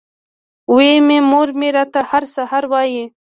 وې ئې مور مې راته هر سحر وائي ـ